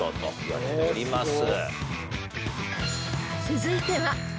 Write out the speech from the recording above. ［続いては］